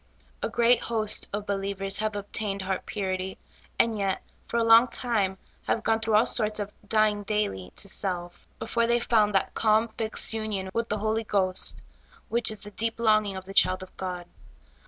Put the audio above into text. A great host of believers have obtained heart purity, and 3'et, for a long time, have gone through all sorts of '' dying daily '' to self, before they found that calm, fixed union with the Holy Ghost which is the deep longing of the child of God.